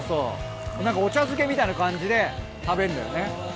何かお茶漬けみたいな感じで食べんのよね。